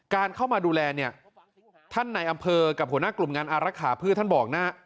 การเข้ามาดูแลท่านในอำเภอกับหัวหน้ากลุ่มงานอารักษะพืช